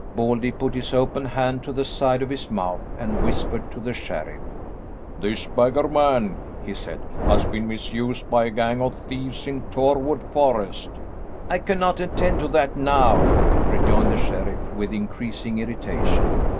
Baldy put his open hand to the side of his mouth and whispered to the sheriff: "This beggar man," he said, "has been misused by a gang of thieves in Torwood Forest." "I cannot attend to that now," rejoined the sheriff with increasing irritation.